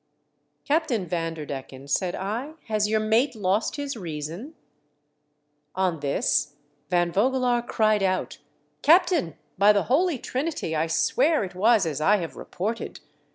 "Captain Vanderdecken," said I, "has your mate lost his reason .*" On this Van Vogelaar cried out : "Captain, by the Holy Trinity, I swear it was as I have reported.